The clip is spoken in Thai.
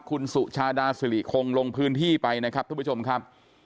คุณสุชาดาสิริคงลงพื้นที่ไปนะครับทุกผู้ชมครับ